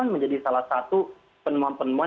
menjadi salah satu penemuan penemuan